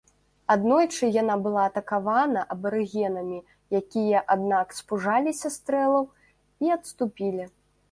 Аднойчы яна была атакавана абарыгенамі, якія, аднак, спужаліся стрэлаў і адступілі.